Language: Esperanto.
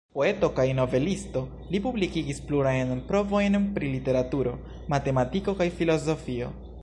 Poeto kaj novelisto, li publikigis plurajn provojn pri literaturo, matematiko kaj filozofio.